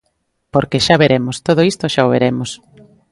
Porque xa veremos, todo isto xa o veremos.